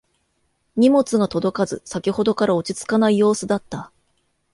荷物が届かず先ほどから落ち着かない様子だった